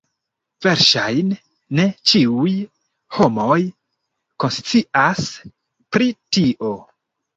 Verŝajne ne ĉiuj homoj konscias pri tio.